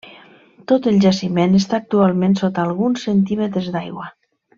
Tot el jaciment està actualment sota alguns centímetres d'aigua.